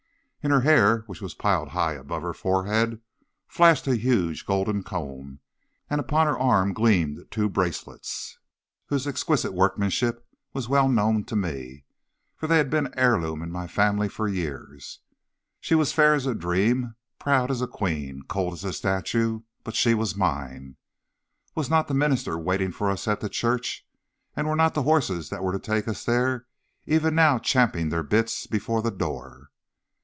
In her hair, which was piled high above her forehead, flashed a huge golden comb, and upon her arm gleamed two bracelets, whose exquisite workmanship was well known to me, for they had been an heirloom in my family for years. She was fair as a dream, proud as a queen, cold as a statue, but she was mine! Was not the minister waiting for us at the church? and were not the horses that were to take us there even now champing their bits before the door?